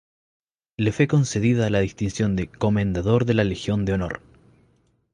Le fue concedida la distinción de comendador de la Legión de Honor.